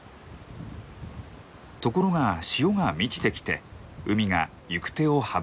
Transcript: ところが潮が満ちてきて海が行く手を阻みます。